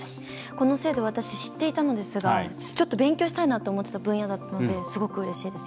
この制度私、知っていたのですがちょっと勉強したいなと思っていた分野だったのですごくうれしいです。